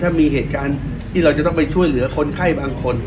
ถ้ามีเหตุการณ์ที่เราจะต้องไปช่วยเหลือคนไข้บางคน